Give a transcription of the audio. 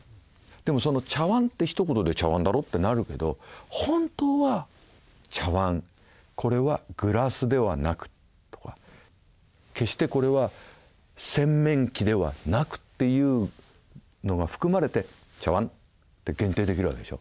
でもその茶わんってひと言で「茶わんだろ」ってなるけど本当は「茶わんこれはグラスではなく」とか。「決してこれは洗面器ではなく」っていうのが含まれて茶わんって限定できる訳でしょ。